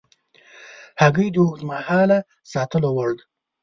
هګۍ د اوږد مهاله ساتلو وړ ده.